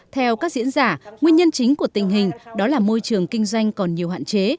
theo các diễn giả nguyên nhân chính của tình hình đó là môi trường kinh doanh còn nhiều hạn chế